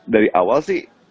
dari awal sih